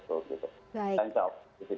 sampai jumpa di situ